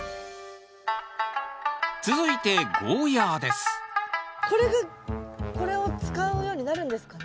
続いてこれがこれを使うようになるんですかね？